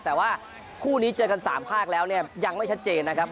แต่ว่าคู่นี้เจอกัน๓ภาคแล้วเนี่ยยังไม่ชัดเจนนะครับ